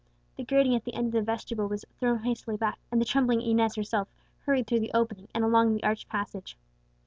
The grating at the end of the vestibule was thrown hastily back, and the trembling Inez herself hurried through the opening, and along the arched passage.